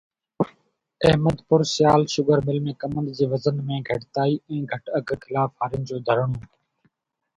احمد پور Sial sugar mill ۾ ڪمند جي وزن ۾ گهٽتائي ۽ گهٽ اگهه خلاف هارين جو ڌرڻو